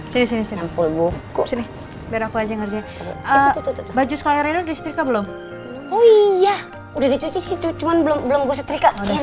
sini eh sambil tidur